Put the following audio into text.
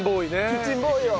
キッチンボーイを。